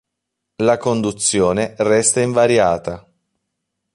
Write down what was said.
La conduzione resta invariata.